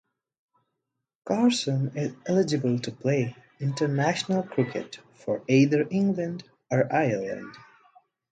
Carson is eligible to play international cricket for either England or Ireland.